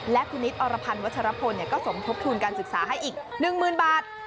และคุณนิดอรพันธ์วัชรพลก็สมทบทุนการศึกษาให้อีก๑๐๐๐บาท